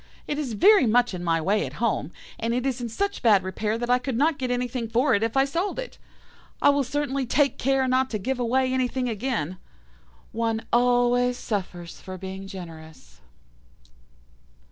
It is very much in my way at home, and it is in such bad repair that I could not get anything for it if I sold it. I will certainly take care not to give away anything again. One always suffers for being generous.